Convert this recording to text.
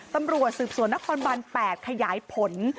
ตำรวจสืบสวนนครบาน๘ขยายผล